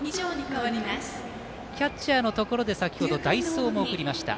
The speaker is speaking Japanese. キャッチャーのところで先ほど代走も送りました。